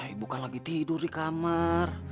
ibu kan lagi tidur di kamar